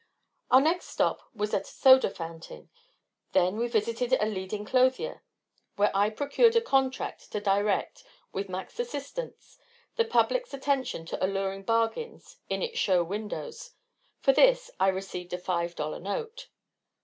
Our next stop was at a soda fountain. Then we visited a leading clothier where I procured a contract to direct, with Mac's assistance, the public's attention to alluring bargains in its show windows. For this I received a five dollar note.